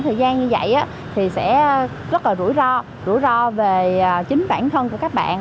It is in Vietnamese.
thời gian như vậy thì sẽ rất là rủi ro rủi ro về chính bản thân của các bạn